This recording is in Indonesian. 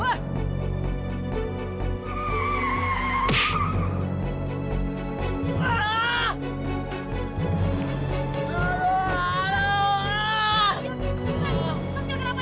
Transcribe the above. hahaha kan k sprechen